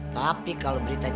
tapi kalo berita kagak